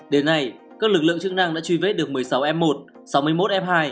đến nay các lực lượng chức năng đã truy vết được một mươi sáu f một sáu mươi một f hai